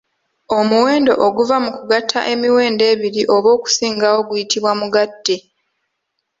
Omuwendo oguva mu kugatta emiwendo ebiri oba okusingawo guyitibwa Mugatte.